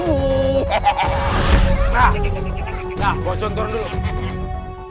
nah bos jon turun dulu